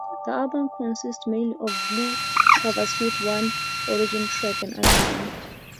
The album consists mainly of blues covers, with one original track, "Other Man".